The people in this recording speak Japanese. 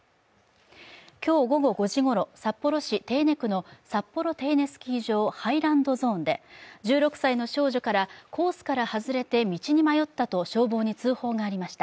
今日午後５時ごろ、札幌市手稲区のサッポロテイネスキー場ハイランドゾーンで１６歳の少女からコースから外れて道に迷ったと消防に通報がありました。